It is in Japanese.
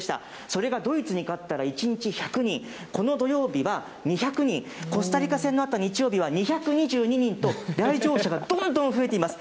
それがドイツに勝ったら１日１００人、この土曜日は２００人、コスタリカ戦のあった日曜日は２２２人と来場者がどんどん増えています。